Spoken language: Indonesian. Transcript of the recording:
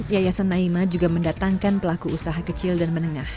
yayasan naima juga mendatangkan pelaku usaha kecil dan menengah